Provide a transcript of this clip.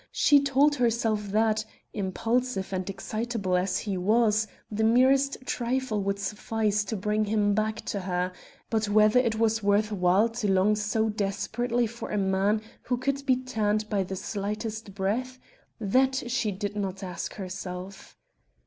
She told herself that, impulsive and excitable as he was, the merest trifle would suffice to bring him back to her; but whether it was worth while to long so desperately for a man who could be turned by the slightest breath that she did not ask herself.